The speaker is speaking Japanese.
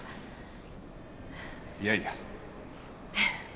いやいや。